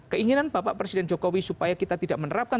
keinginan bapak presiden jokowi supaya kita tidak menerapkan